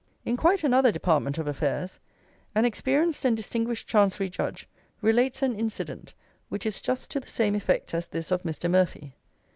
In quite another department of affairs, an experienced and distinguished Chancery Judge relates an incident which is just to the same effect as this of Mr. Murphy.